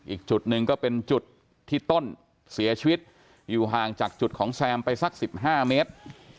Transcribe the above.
อีกจุดหนึ่งก็เป็นจุดที่ต้นเสียชีวิตอยู่ห่างจากจุดของแซมไปสัก๑๕เมตร